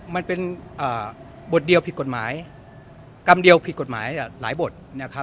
มันเป็นบทเดียวผิดกฎหมายกรรมเดียวผิดกฎหมายหลายบทนะครับ